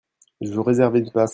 Je veux réserver une place.